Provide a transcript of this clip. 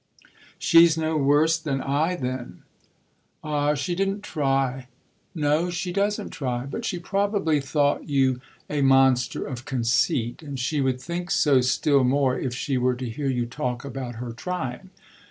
"She's no worse than I then." "Ah she didn't try." "No, she doesn't try. But she probably thought you a monster of conceit, and she would think so still more if she were to hear you talk about her trying."